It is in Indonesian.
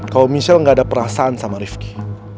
kalo michelle gak ada perasaan sama rifki